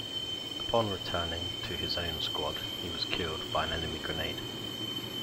Upon returning to his own squad, he was killed by an enemy grenade.